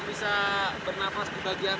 tapi ya mereka nggak punya pilihan